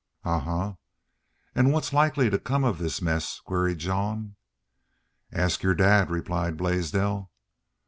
"Ahuh! ... An' what's likely to come of this mess?" queried Jean. "Ask your dad," replied Blaisdell.